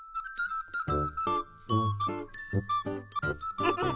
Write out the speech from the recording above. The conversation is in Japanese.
フフフフ。